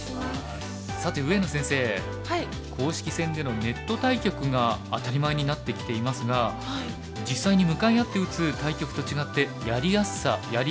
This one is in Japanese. さて上野先生公式戦でのネット対局が当たり前になってきていますが実際に向かい合って打つ対局と違ってやりやすさやり